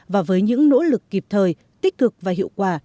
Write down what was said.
và với những nỗ lực kịp thời tích cực và hiệu quả